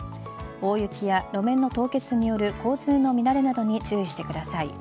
大雪や路面の凍結による交通の乱れなどに注意してください。